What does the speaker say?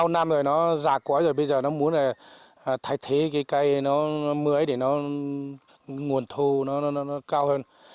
nó già quá rồi bây giờ nó muốn là thay thế cái cây nó mới để nó nguồn thô nó cao hơn